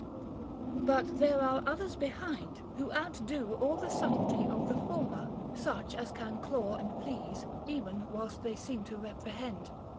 18. But there are others behind, who outdo all the sub tlety of the former, such* as can claw and please, even whilst they seem to reprehend.